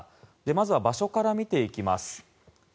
まずは場所から見ていきます。